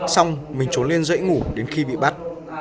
xong mình trốn lên dãy ngủ đến khi bị bắt